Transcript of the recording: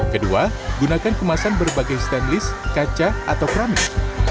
kedua gunakan kemasan berbagai stainless kaca atau keramik